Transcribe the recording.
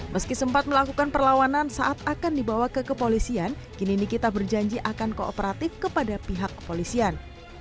meski sempat melakukan perlawanan saat akan dibawa ke kepolisian kini nikita berjanji akan kooperatif kepada pihak kepolisian